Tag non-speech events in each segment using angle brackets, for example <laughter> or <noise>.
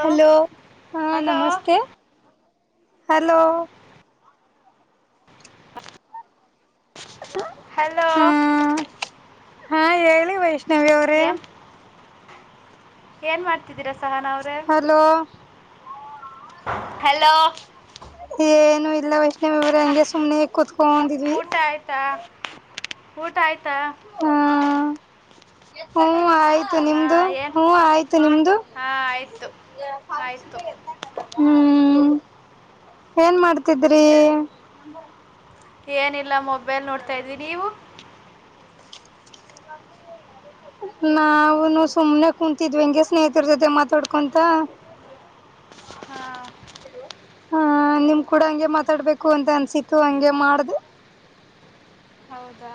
Hello ಹಾ ನಮಸ್ತೆ hello hello ಹಾ ಹೇಳಿ ವಷ್ಟ ನೀವೇ ಅವರೇ ಏನ್ ಮಾಡ್ತಿದ್ದೀರಾ ಹಲೋ ಏನು ಇಲ್ಲ ವೈಷ್ಣವಿ ರವರೇ ಹಂಗೆ ಸುಮ್ನೆ ಕುೂತ್ಕೊಂಡೊಂಡಿದ್ವಿ ಊಟ ಆಯ್ತು ಹ ಹ ಆ ಆಯ್ ನಿಮ್ದ ಹ ಆಯ್ತು ನಿಮ್ದ ಹ್ಮ ಏನ್ ಮಾಡ್ತಿದ್ರಿ ಏನಿಲ್ಲ ಮೊಬೈಲ್ ನೋಡ್ತಾ ಇದಿನಿ ನೀವು ನಾವುನು ಸುಮ್ನೆ ಕುಂತಿದ್ವಿ ಹೆಂಗೆ ಸ್ನೇಹಿತರ್ ಜೊತೆ ಮಾತಾಡ್ಕೊಂತ. ಹಾ. ಹ ನಿಮ್ ಕೂಡ ಹಂಗೆ ಮಾತಾಡ್ಬೇಕು ಅಂತ ಅನ್ಸಿತ್ತು ಹಂಗೆ ಮಾಡ್ದೆ. ಹೌದಾ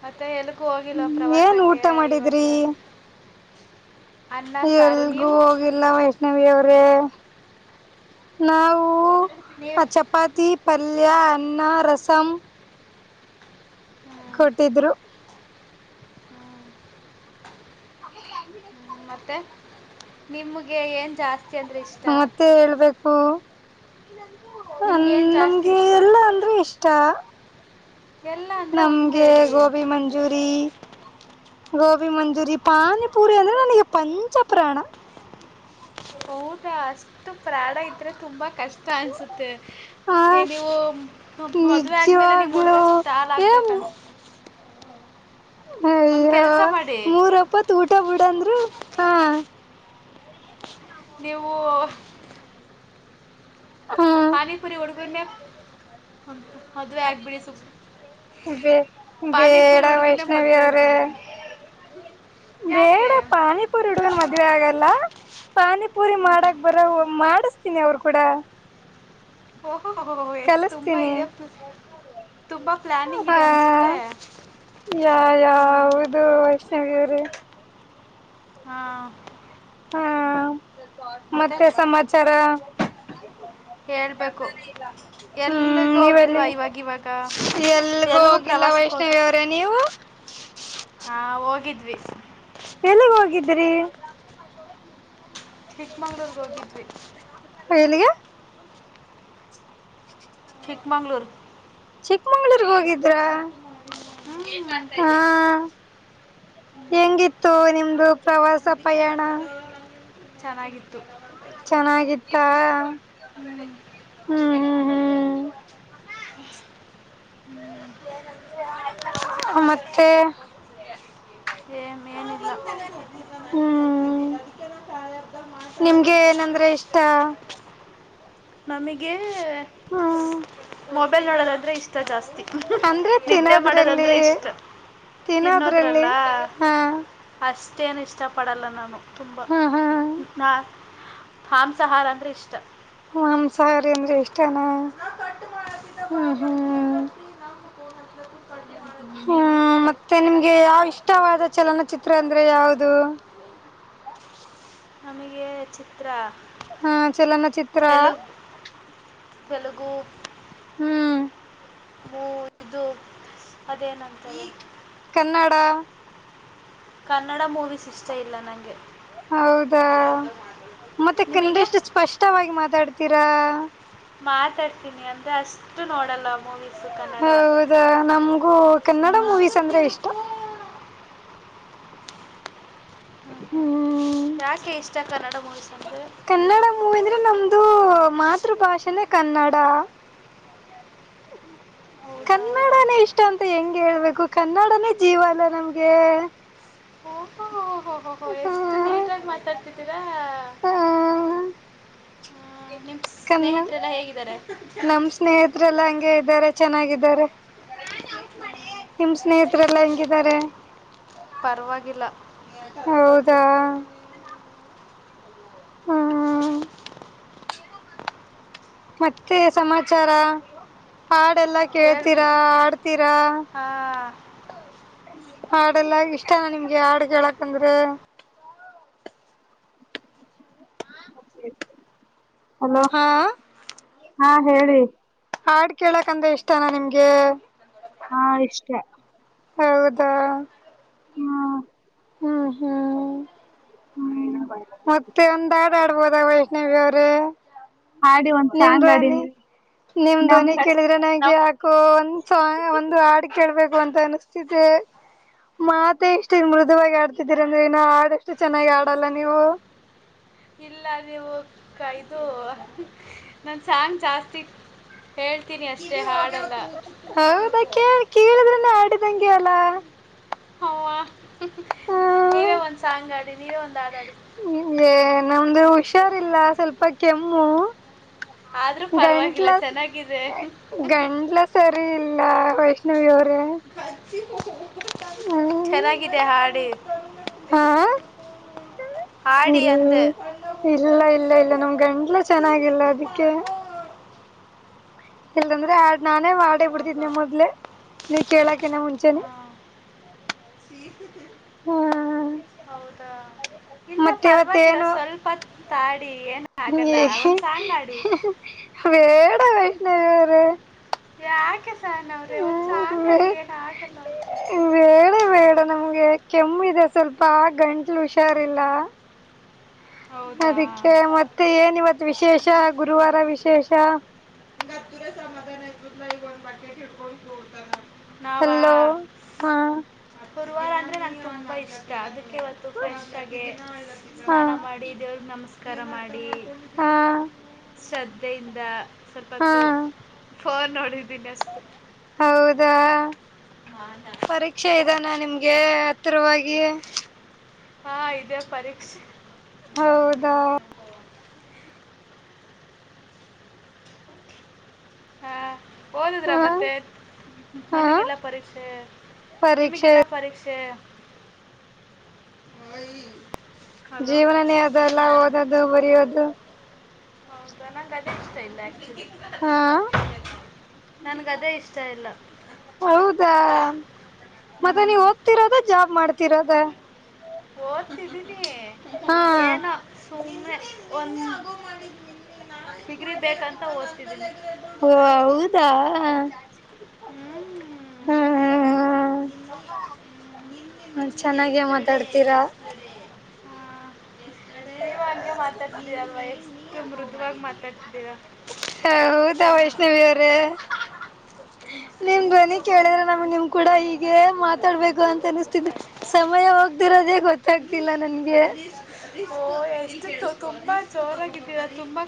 ಹತ್ ತ್ತೆ ಎಲ್ಗೂ ಹೋಗಿಲ್ವ ಪ್ರವಾಸಕ್ಕೆ ಇವಾಗ ಅನ್ನ ಸಾರು ನೀವು. ರೆ ನಾವು. ಆ ಚಪಾತಿ. ಪಲ್ಯ ಅನ್ನ ರಸಂ. ಕೊಟ್ಟಿದ್ರು. <unintelligible> ಮತ್ತೆ ನಿಮ್ಗೆ ಏನ್ ಜಾಸ್ ಮತ್ತೆ ಹೇಳ್ಬೇಕು. ಹಂ ನಮ್ಗೆ ಎಲ್ಲಾ ಅನ್ದ್ರೆ ಇಷ್ ತ್ತಾ. ನಮ್ಗೆ ಗೋಬಿ ಮಂಜುರಿ. ಗೋಬಿ ಮಂಜೂರಿ ಪಾನಿಪೂರಿ ಅಂದ್ರೆ ನನಿಗೆ ಪಂಚಪ್ರಾಣ. ಹೌದಾ ಸ್ ಸ್ಟು ಪ್ರಾಣ ಇದ್ರೆ ತುಂಬ ಕಷ್ಟ ಅನ್ಸುತ್ತೆ ಗೆ ನೀವು ಮದುವೆ ಆದ್ಮೇಲೆ ನಿಮ್ ಹುಡ್ಗ ಸ್ಟಾಲ್ ಆಗ್ಬೇಕುತ್ತೆ. ಅಯ್ಯೋ ಮೂರ್ ಒಪ್ಪತ್ ಊಟ ಬಿಡಂದ್ರು. ಹಾಂ. ನೀವು. ಹಾನಿಪುರಿ ಉಡ್ಗುಂಡೆ. ಬೇ ಬೇಡ ವೈಷ್ಣವಿ ಅವ್ರೆ ಬೇಡ ಪಾನಿಪೂರಿ ಹುಡ್ಗನ್ ಮದ್ವೆ ಆಗಲ್ಲ ಪಾನಿಪೂರಿ ಮಾಡಕ್ ಬರ ಮಾಡ ಮಾಡುಸ್ ತಿನಿ ಅವ್ರ್ ಕೂಡ. ಹೊ ಒ ಒ ಹೋ ಹೋ ಎಸ್ ತುಂಬ ಇದೆ ತುಂಬ ಪ್ಲಾನಿಂಗ್ ಇದೆ ಅನ್ಸುತ್ತೆ ಹ್ಞ. ಷ್ಣವಿ ಅವ್ರೆ. ಹಾಂ. ಮತ್ತೆ ಸಮಾಚಾರ. ಹೇಳ್ಬೇಕು ಎಲ್ಗ ಹೋಗಿಲ್ವಾ ಇವಾಗ ಇವಾಗ ಎಲ್ಗೂ ಪ್ರವಾಸಕ್ಕ ಹೋಗಿ ಹಾ ಹೋಗಿದ್ ವಿ. ದ್ರಿ. ಚಿಕ್ಮಂಗ್ಳುರ್ಗ್ ಹೋಗಿದ್ವಿ. ಯಲಿಗೆ. ಚಿಕ್ಮಂಗ್ಳೂರ್. ಚಿಕ್ಮಂಗ್ಳೂರ್ಗ್ ಹೋಗಿದ್ರಾ. ಹಾ. ಹೆಂಗಿತ್ತು ನಿಮ್ದು ಪ್ರವಾಸ್ ಂತಕ್ಕೆೆ ಅಚ್ಚರ ಚೆನ್ನಾಗಿತ್ತು ಚೆನ್ನಾಗಿತ್ತ ಹ್ಮ್ ಹ್ಮ್ ಹ್ಮ್ ಹ್ಮ <unintelligible> ಹ್ಮ್ ಮತ್ತೆ ಹ <unintelligible> ಮುಚ್ಚಿದ ನನಗ್ ಹರ್ತಿದ್ದಿಲ್ಲ ಅದಕ್ಕೆನ ತಳೆಬ್್ದ ಮಾತಾಡತಿದ ನಮಗೆ ಮ ಮೊಬಲ್ ನೋದ್ರೆ ಇಷ್ಟ ಜಸ್ತಿ ಅಂದ್ರೆ ತಿನ್ನೋದ್ರಲ್ಲಿ ತಿನ್ನೋದ್ರಲ್ಲಿ ಹ ಹ ಅಷ್ಟೇನು ಇಷ್ಟಪಡಲ್ಲ ನಾನು ತುಂಬಾ ಹಾ ಹಂಸಾಹಾರ ಅಂದ್ರೆ ಇಷ್ಟ ಂಸಾರಿ ಅಂದ್ರೆ ಇಷ್ಟನಾ ಹ್ಮ್ ಹ್ಮ್ ಹ್ಮ ಮತ್ತೆ ನಿಮ್ಗೆ ಯಾವ ಇಷ್ಟವಾದ ಚಲನಚಿತ್ರ ಅಂದ್ರೆ ಯಾವುದು ನಮಗೆ ಚಿತ್ರ ಹಾ ಚಲನಚಿತ್ರ ತೆಲುಗು ಹ್ಮ್ ಊ ಇದು ಅದೇನೆಂದರೆ ಕನ್ನಡಾ ಕನ್ನಡ ಮೂವೀಸ್ ಇಷ್ಟ ಇಲ್ಲ ನಂಗೆ ಹೌದಾ ಮತ್ತೆ ಕನ್ನಡ ಇಷ್ಟು ಸ್ಪಷ್ಟವಾಗಿ ಮಾತಾಡ್ತೀರಾ ಮಾತಾಡ್ತೀನಿ ಅಂದ್ರೆ ಅಷ್ಟು ನೋಡಲ್ಲ ಮೂವೀಸ್ ಹೌದಾ ನಮಗೂ ಕನ್ನಡ ಮೂವೀಸ್ ಅಂದ್ರೆ ಇಷ್ಟ ಹ್ಮ್ ಕನ್ನಡ ಮೂವಿ ಅಂದ್ರೆ ನಮ್ದು ಕನ್ನಡ ಮಾತೃ ಭಾಷೆನೇ ಕನ್ನಡ ಕನ್ನಡನೇ ಇಷ್ಟ ಅಂತ ಹೆಂಗೆ ಹೇಳ್ಬೇಕು ಕನ್ನಡನೇ ಜೀವ ಅಲ್ವಾ ನಮಗೆ ಓಹೋ ಹೋ ಹೋ ಹೋ ಎಷ್ಟು ನೀಟಾಗಿ ಮಾತಾಡ್ತಿದ್ದೀರಾ ನಿಮ್ಮ ಸ್ನೇಹಿತರೆಲ್ಲ ಹೇಗಿದ್ದಾರೆ ನಿಮ್ಮ ಸ್ನೇಹಿತರೆಲ್ಲ ಹೆಂಗಿದ್ದಾರೆ ಪರವಾಗಿವಾಗಿಲ್ಲ ಹೌದಾ ಹ್ಮ <inaudible> ಮತ್ತೆ ಸಮಾಚಾರ ಹಾಡೆಲ್ಲಾ ಕೇಳ್ತೀರಾ ಆಡ್ತೀರಾ ಹಾಡಲ್ಲ ಇಷ್ಟನಾ ನಿಮಗೆ ಹಾಡು ಕೇಳೋಕೆ ಅಂದ್ರ ಹಾ ಹಾ ಹೇಳಿ ಹಾಡ್ ಕೇಳಕ್ಂದ್ರೆ ಇಷ್ಟನಾ ನಿಮ್ಗೆ ಹಾ ಇಷ್ಟ ಹೌದಾ ಹ್ಮ್ ಹ್ಮ್ ಹ್ಮ್ ಮತ್ತೆ ಒಂದ್ ಹಾಡ್ ಹಾಡಬಹುದು ವೈಷ್ಣವಿ ಅವರೇ ನಿಮ್ ಧ್ವನಿ ನಿಮ್ ಧ್ವನಿ ಕೇಳಿದ್ರೆ ನಂಗೆ ಯಾಕೋ ಒಂದ್ ಸಾಂಗ್ ಒಂದ್ ಹಾಡು ಕೇಳಬೇಕು ಅಂತ ಅನಿಸ್ತಿದೆ ಮಾತೇ ಇಷ್ಟು ಮೃದುವಾಗಿ ಆಡ್ತಿದ್ದೀರಾ ಅಂದ್ರೆ ಆಡಷ್ಟು ಚೆನ್ನಾಗಿ ಆಡಲ್ಲ ನೀವು ಇದು ನಾನು ಸಾಂಗ್ ಜಾಸ್ತಿ ಹೇಳ್ತೀನಿ ಅಷ್ಟೇ ಹಾಡಲ್ಲ ಹೌದಾ ಕೇಳಿ ಕೇಳಿದ್ರನೆ ಆಡಿದಂಗೆ ಅಲ್ಲ ಅವ್ವ ಹ್ಮ ಇಲ್ಲ ನಮ್ದು ಹುಷಾರಿಲ್ಲ ಸ್ವಲ್ಪ ಕೆಮ್ಮು ಗಂಟ್ಲ ಸರಿ ಇಲ್ಲ ವೈಷ್ಣವಿಿಯ ಅವರು ಹ ಸಿ ಹ ಹ್ಮ್ ಹಾ ಇ ಇಲ್ಲ ಇಲ್ಲ ಇಲ್ಲ ನಮ್ ಗಟ್ಲೂ ಚೆನ್ನಾಗಿಲ್ಲ ಅದಕ್ಕೆ ಇಲ್ಲಂದ್ರೆ ಆ ನಾನೇ ಮಾಡೇ ಬಿಡ್ತಿದ್ನ ಮೊದ್ಲೆೇ ನೀವ್ ಕೇಳಕಿನ ಮುಂಚೆನೆ ಹೌದಾ ಮತ್ತೆ ಮತ್ತೆ ಏನು ಬೇಡ ವೈಷ್ಣವಿ ಹ ಯಾಕೆ ಸಹನ ಅವ್ರೆ ಒಂದ್ ಸಾಂಗ್ ಅಡಿ ಏನ್ ಆಗಲ್ಲ ಕೆಮ್ಮು ಇದೆ ಸ್ವಲ್ಪ ಗಂಟ್ಲು ಹುಷಾರಿಲ್ಲ ಹೌದಾ ಹಂಗ ಹತ್ತುರಸ ಮಧನದ <unintelligible> ಹಲೋ ಹಾ. ಗುರುವಾರ ಅಂದ್ರೆ ನಂಗ್ ತುಂಬಾ ಇಷ್ಟ ಅದು. ಅದಿಕ್ಕೆ ಇವತ್ತು ಪ್ರೇಶ್ ಆಗಿ ಸ್ನಾನ ಮಾ ಮಾಡಿ ದೇವ್ರ್ ನಮ್ಸ್ ಕರ ಮಾಡಿ. ಹಾ. ಸ್ರದ್ಧೆಯಿಂದ. ಸ್ವಲ್ಪ್ ಒತ್ತು. ಫೋನ್ ನೋಡಿದ್ದೀನಿ ಅಷ್ಟೆ. ಹೌದಾ. ಪರೀಕ್ಷೆ ಇದೆ ನನ್ ನಿಮ್ಗೆ ಹತ್ತರವಾಗಿ. ಹಾ ಇದೆ ಪರೀಕ್ಷೆ. ಹೌದಾ. ಹಾ. ಓದುದ್ರಾ ಮತ್ತೆ ನಿಮಿಗಿಲ್ಲ ಪರೀಕ್ಷೆ ನಿಮಿಗಿಲ್ಲ ಪರೀಕ್ಷೆ. ಜೀವ್ನಾನೆ ಅದಲ್ಲ ಓದೋದು ಬರ್ಯೋದು. ಹೌದಾ ನಂಗ್ ಅದ್ ಎಷ್ಟ ಆಯ್ತೆ. ಹಾ ಹೌದಾ ಮತ್ತೆ ನೀವು ಓದ್ತಿರೋದು ಜಾಬ್ ಮಾಡ್ ತಿರೋದ. ಓತಿದಿದ್ ತಿ ಏನೋ ಸುಮ್ಮನೆ. ಒಂದ್. ಡಿಗ್ರೀ ಬೇಕಂತ ಓದ್ತಿದ್ದೀನಿ. ಹ್ಮ್ ಹ್ಮ್ ಹ್ಮ್. ಹ್ಮ. ಹ ಚೆನ್ನಾಗೇ ಮಾತಾಡ್ತೀರ. ಹಾ ನೀವ್ ಹಂಗೆ ಮಾತಾಡ್ದೀರಲ್ವಾ ಎಷ್ಟು ಮೃದ್ವಾಗ್ ಮಾತಾಡ್ತಿದ್ದೀರಾ. ಹೌದಾ ವೈಷ್ಣವಿ ಅವ್ರೆ. ನಿಮ್ ಧ್ವನಿ ಕೇಳುದ್ರೆ ನಮ್ಗ ನಿಮ್ ಕೂಡ ಹೀಗೆ ಮಾತಾಡ್ಬೇಕು ಅಂತ ಅನಿಸ್ತಿದೆ ಸಮಯ ಹೋಗ್ತಿರೋದೇ ಗೊತ್ ತಗ್ತಿಲ್ಲ ನನ್ಗೆ. ಇಲ್ <unintelligible> ತುಂಬಾ ಜೋರಾಗಿದ್ದೀರಾ ತುಂಬಾ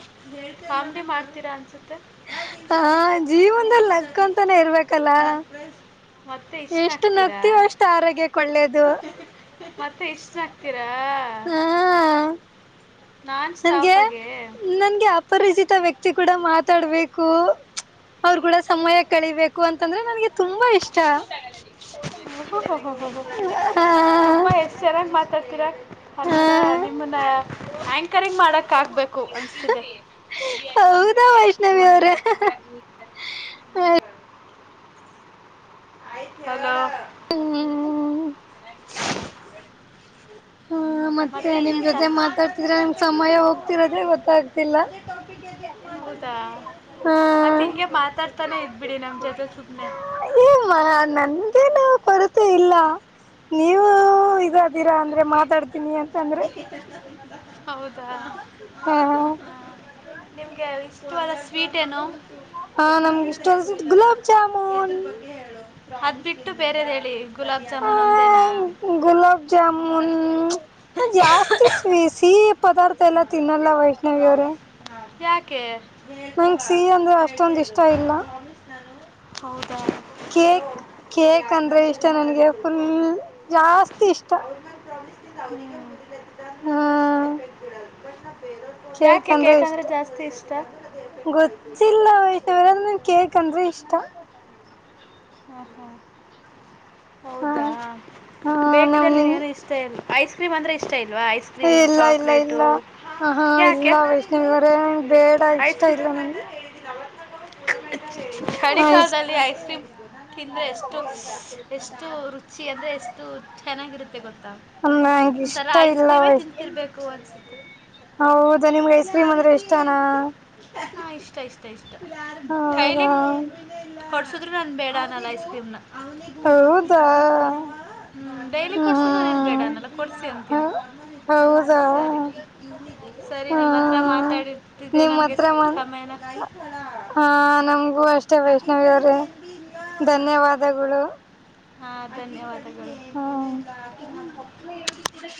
ಕಾಂಬಿ ಮಾಡ್ತೀರಾ ಅನ್ಸುತ್ತೆ. ಹಾ ಜೀವನದಲ್ಲಿ ನಕ್ಕಂತಾನೇ ಇರ್ಬೇಕಲ್ಲ ಎಷ್ಟು ನಗ್ತವೋ ಅಷ್ಟು ಆರೋಗ್ಯಕ್ಕೆ ಒಳ್ಳೇದು ಎಸ್ಟ ನಗ್ತಿರಾ ಹಾ ನನ್ಗೆ- ನನ್ಗೆ ಅಪರಿಚಿತ ವ್ಯಕ್ತಿ ಚಿ ಕೂಡ ಮಾತಾಡಬೇಕು ಅವರು ಕೂಡ ಸಮಯ ಕಳಿಬೇಕು ಅಂದ್ರೆ ನನಗೆ ಓ- ಓ-ಓ ತುಂಬಾ ಎಷ್ಟ ಚೆನ್ನಾಗಿ ಮಾತ ಕಚರ ಕನ್ನಡ ನಿಮ್ಮನ್ನ ಆಂಕರಿಂಗ್ ಮಾಡಕ್ ಆಗ್ಬೇಕು ಅನ್ಸ್ತಿದೆ ನವಿ ಅವ್ರೆ ಹ ಹ ಹಲೋ ಹ್ಮ ಮತ್ತೆ ಎನ್ ಸಹ <unintelligible> ಬಿತಕುಡು ಆದೆ ಟೋಪಿಕ್ ಯಾಕ್ ಮತ್ತ ಆಡತಿ ಹೌದಾ ಮತ್ತ ಹಿಂಗೆ ಮಾತಾಡ್ತಾನೇ ಇದ್ಬಿಡಿ ನಮ ಜೊತೆ ಸುಮನೆ ಕೊರತೆ ಇಲ್ಲ ನೀವು ಇದಾದೀರಾ ಅಂದ್ರೆ ಮಾತಾಡ್ ಇನಿ ಅಂತಂದ್ರೆ <inaudible> ಹೌದಾ ನಿಮ್ಗೆ ಇಷ್ಟವಾದ ಸ್ವೀಟ್ ಏನು ಕ್ಲಿಯರ್ ಹೇಳಬೇಕು ಎದುರ್ ಬಗ್ಗೆ ಹೇಳು ಅದ ಬಿಟ್ಟು ಬೇರೆದ ಹೇಳಿ ಗುಲಾಬ್ ಜಾಮೂನ್ ಒಂದೇನಾ ಹ ಜಾಸ್ತಿ ಸ್ವಿಸಿ ಪದಾರ್ಥ ಎಲ್ಲ ತಿನ್ನಲ್ಲವಿ. ಪ್ರಮಿಸ್ ಮಾಡ ಯಾಕೆ. ಹೇಳ್ತಾ ಬಾ ಹೇಳ್ತಾ ಇರು ಪ್ರಾಮಿಸ್ ನಾನು. ಹೌದು. ಕೇಕ್ ಕೇಕ್ ಅಂದ್ರೆ ಇಷ್ಟ ನನ್ಗೆ ಫುಲ್ ಜಾಸ್ತಿ ಇಷ್ಟ. <inaudible> ಜರ ದಷ್ಟಟ್ ಎಫೆಕ್ಟ್ ಗ ಬಂದ್ನ ಬೇಗ. ಕೇಕ್ ಅಂದ್ರೆ ಇಷ್ಟ ಗೊತ್ತಿಲ್ಲ <unintelligible> ಕೇಕ್ ಅಂದ್ರೆ ಇಷ್ಟ. ಹಾ ಹಾ. ಹೌದಾ ಬೇಕ್ರಿ ಅಲ್ಲಿ ಇನ್ನೇನು ಇಷ್ಟ ಇಲ್ಲ. ಐಸ್ ಕ್ರೀಮ ಅಂದ್ರ ಇಷ್ಟ ಇಲ್ ಇಲ್ಲ ಇಲ್ಲ ಇಲ್ಲ ಆಹಾ ಇಲ್ಲ ವೈಷ್ಣವಿ ಅವರೆ ಬೇಡ ಇಷ್ಟ ಇಲ್ಲ ನಂಗೆ ಆಯ್ತ್ ತಿಂದ್ರೆ ಎಷ್ಟು ಎಷ್ಟು ರುಚಿ ಅಂದ್ರೆ ಎಷ್ಟು ಚೆನಾ ನಾಗಿರುತ್ ತ್ತೆ ಗೊತ್ತಾ ಒಂತರ ಐಸ್ ಕ್ರೀಮೇ ತಿಂತಿರ್ಬೇಕು ಅನ್ಸುತ್. ಹಾ ಇಷ್ಟ ಇಷ್ಟ ಇಷ್ ಟ ಡೈಲಿ ಕೊಡ್ಸು ಇರ್ವನ್ ಬೇ ಡ ನನ್ ಐಸ್ ಕ್ರೀಮ್ನ. ಹುಂ ಡೈಲಿ ಕೊಡ್ಸು ನಾನೇನ್ ಬೇಡ ಅನ್ನಲ್ಲ. ಕೋಡ್ಸಿ ಅಂತೀನಿ. ಸರಿ ಸರಿ ನಿಮ್ ಹತ್ರ ಮಾತಾಡತಿದ್ದೆ ನಮಗೆ ಸಮಯನೇ. ಧನ್ಯವಾದಗುಳು. ಹಾ ಧನ್ಯವಾದ. ಹ್ಮ್.